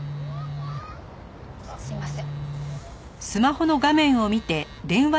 すいません。